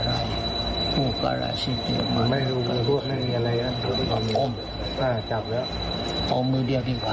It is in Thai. ในเวลที่เช็ดอีกเนอะ